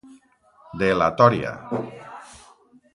De la tòria.